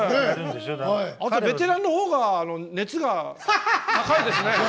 あとベテランのほうが熱が高いですね。